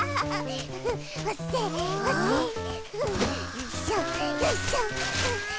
よいしょっよいしょっ。